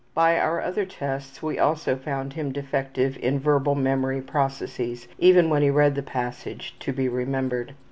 By our other tests we also found him defective in verbal memory processes, even when he read the passage to be remembered.